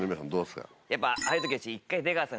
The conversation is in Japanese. やっぱああいう時は一回。